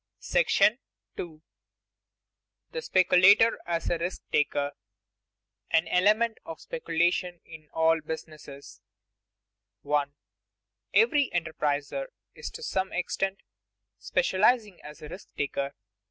§ II. THE SPECULATOR AS A RISK TAKER [Sidenote: An element of speculation in all business] 1. _Every enterpriser is to some extent specializing as a risk taker.